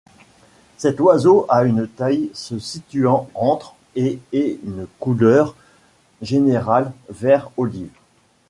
Cet oiseau a une taille se situant entre et et une couleur générale vert-olive.